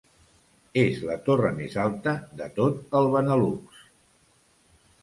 És la torre més alta de tot el Benelux.